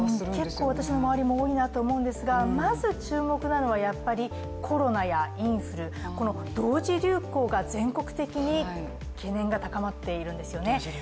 結構私の周りも多いなと思うんですが、まず注目なのはコロナやインフル、同時流行が全国的に懸念が高まっているんですよね。